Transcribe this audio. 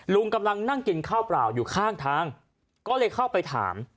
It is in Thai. ลุงกำลังนั่งกินข้าวเปล่าอยู่ข้างทางก็เลยเข้าไปถาม